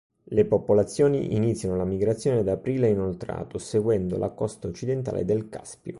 Le popolazioni iniziano la migrazione ad aprile inoltrato, seguendo la costa occidentale del Caspio.